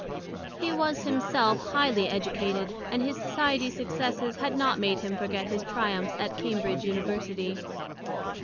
He was himself highly educated, and his society successes had not made him forget his triumphs at Cambridge University.